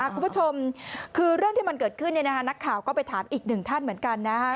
คุณผู้ชมเรื่องที่มันเกิดขึ้นนักข่าวก็ไปถามอีก๑ท่านเหมือนกันนะฮะ